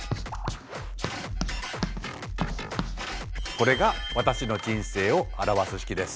これが私の人生を表す式です。